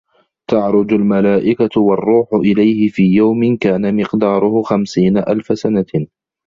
تَعرُجُ المَلائِكَةُ وَالرّوحُ إِلَيهِ في يَومٍ كانَ مِقدارُهُ خَمسينَ أَلفَ سَنَةٍ